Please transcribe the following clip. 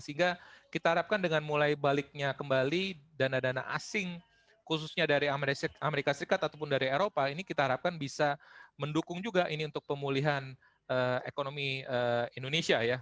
sehingga kita harapkan dengan mulai baliknya kembali dana dana asing khususnya dari amerika serikat ataupun dari eropa ini kita harapkan bisa mendukung juga ini untuk pemulihan ekonomi indonesia ya